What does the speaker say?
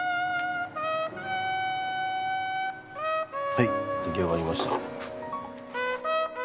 はい出来上がりました。